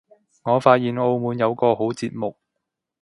我發現澳門有個好節目